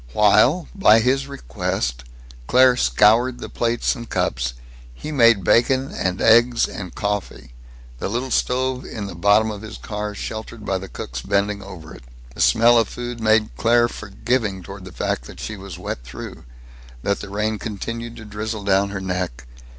While, by his request, Claire scoured the plates and cups, he made bacon and eggs and coffee, the little stove in the bottom of his car sheltered by the cook's bending over it. The smell of food made Claire forgiving toward the fact that she was wet through; that the rain continued to drizzle down her neck.